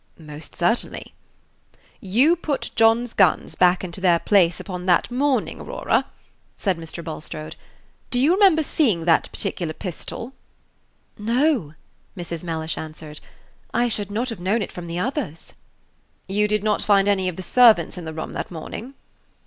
"Most certainly." "You put John's guns back into their places upon that morning, Aurora," said Mr. Bulstrode; "do you remember seeing that particular pistol?" "No," Mrs. Mellish answered; "I should not have known it from the others." "You did not find any of the servants in the room that morning?"